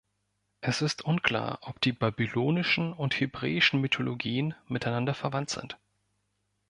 Es ist unklar, ob die babylonischen und hebräischen Mythologien miteinander verwandt sind.